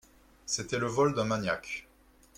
C'était le vol d'un maniaque.